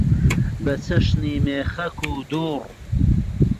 بە چەشنی مێخەک و دوڕ